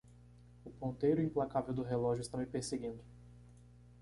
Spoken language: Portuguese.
O ponteiro implacável do relógio está me perseguindo